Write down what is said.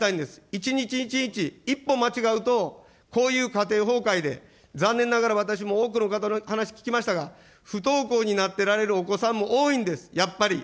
一日一日、一歩間違うと、こういう家庭崩壊で、残念ながら私も多くの方の話聞きましたが、不登校になっておられるお子さんも多いんです、やっぱり。